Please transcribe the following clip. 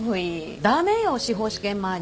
駄目よ司法試験前に。